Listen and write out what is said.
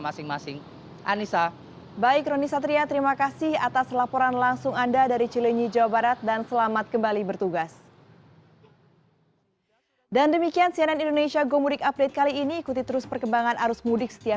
karena kalau kita lihat jalan jalan ini kita bisa melihat kebanyakan jalan jalan yang akan berjalan ke kampung halaman mereka